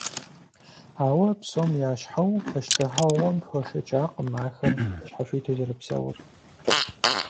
Ауэ, псом ящхьэу, пащтыхьыгъуэм хуэшэчакъым ахэр щхьэхуиту зэрыпсэур.